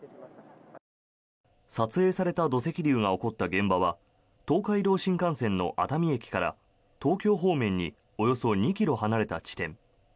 撮影された土石流が起こった現場は東海道新幹線の熱海駅から東京方面におよそ２ｋｍ離れた地点。